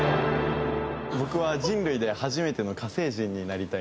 僕は人類で初めての火星人になりたいんです。